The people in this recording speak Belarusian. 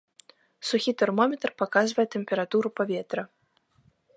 Сухі тэрмометр паказвае тэмпературу паветра.